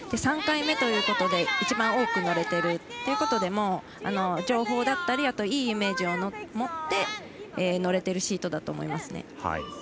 ３回目ということで一番多く乗れているということで情報だったりいいイメージを持って乗れてるシートだと思いますね。